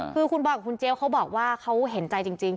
คือคุณบอยกับคุณเจี๊ยบเขาบอกว่าเขาเห็นใจจริง